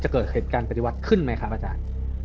เกิดเหตุการณ์ปฏิวัติขึ้นไหมครับอาจารย์